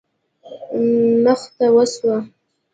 نښته وسوه.